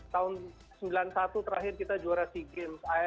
tahun seribu sembilan ratus sembilan puluh satu terakhir kita juara sea games